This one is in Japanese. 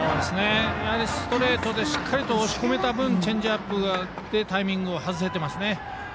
やはりストレートでしっかり押し込めた分チェンジアップでタイミングを外せてますね。